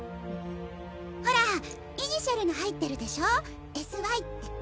ほらイニシャルが入ってるでしょ「Ｓ．Ｙ」って。